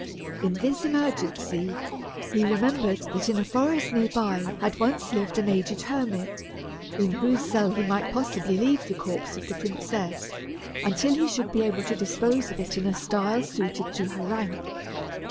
In this emergency, he remembered that in a forest near by had once lived an aged hermit, in whose cell he might possibly leave the corpse of the princess, until he should be able to dispose of it in a style suited to her rank.